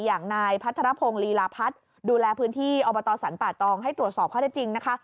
อย่างนายพัทรพงศ์ลีลาพัฒน์ดูแลพื้นที่อบตสรรป่าตองให้ตรวจสอบข้อได้จริงนะคะ